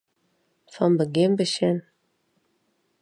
Fan begjin besjen.